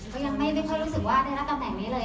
ก็ยังไม่ค่อยรู้สึกว่าได้รับตำแหน่งนี้เลย